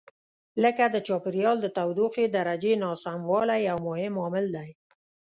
لکه د چاپېریال د تودوخې درجې ناسموالی یو مهم عامل دی.